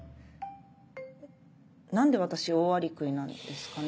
何で私オオアリクイなんですかね？